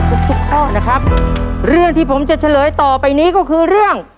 ขอให้ภูเข้าข้อพรุ่งที่ผมจะเฉลยต่อไปนี้ก็คือเรื่อง